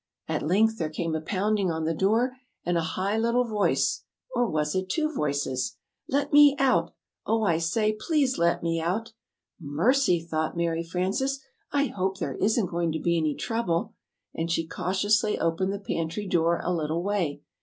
At length there came a pounding on the door, and a high little voice or was it two voices? "Let me out! Oh, I say, please let us out!" "Mercy!" thought Mary Frances, "I hope there isn't going to be any trouble." And she cautiously opened the pantry door a little way.